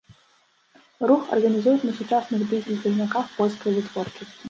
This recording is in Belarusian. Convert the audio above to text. Рух арганізуюць на сучасных дызель-цягніках польскай вытворчасці.